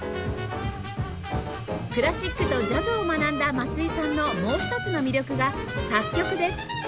クラシックとジャズを学んだ松井さんのもう一つの魅力が作曲です